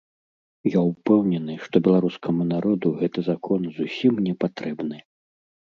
Я ўпэўнены, што беларускаму народу гэты закон зусім не патрэбны.